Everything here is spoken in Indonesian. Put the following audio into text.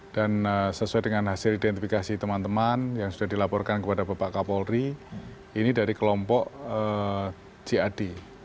dan sesuai dengan hasil identifikasi teman teman yang sudah dilaporkan kepada bapak kapolri ini dari kelompok cad